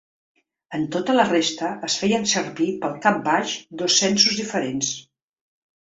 En tota la resta es feien servir pel cap baix dos censos diferents.